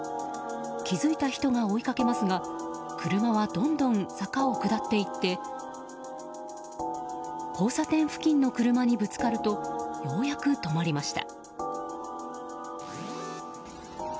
気づいた人が追いかけますが車はどんどん坂を下っていって交差点付近の車にぶつかるとようやく止まりました。